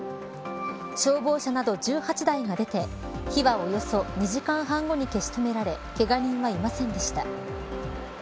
消防車など１８台が出て火は、およそ２時間半後に消し止められけが人はいませんでした。